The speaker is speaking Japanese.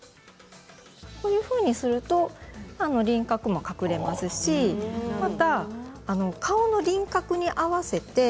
こういうふうにすると輪郭も隠れますし顔の輪郭に合わせて。